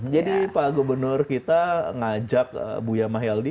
jadi pak gubernur kita ngajak bu yamah yaldi